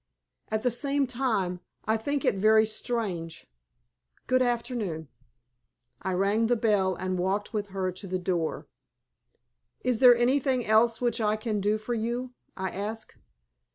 At the same time, I think it very strange. Good afternoon." I rang the bell, and walked with her to the door. "Is there anything else which I can do for you?" I asked.